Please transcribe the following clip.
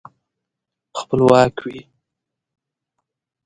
خپلواک وي.